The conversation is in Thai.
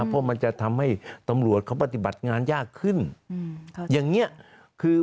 เพราะมันจะทำให้ตำรวจเขาปฏิบัติงานยากขึ้นอย่างนี้คือ